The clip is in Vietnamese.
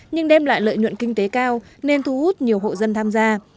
nhưng đem lại lợi nhuận kinh tế cao nên thu hút nhiều hộ dân tham gia